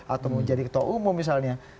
atau mau jadi ketua umum misalnya